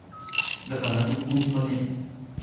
だからなるべく本当に。